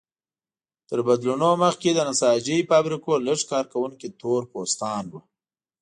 تر بدلونونو مخکې د نساجۍ فابریکو لږ کارکوونکي تور پوستان وو.